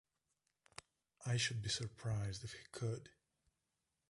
I should be surprised if he could.